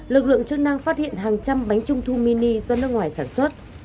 lực lượng chức năng phát hiện hàng trăm bánh trung thu mini do nước ngoài sản xuất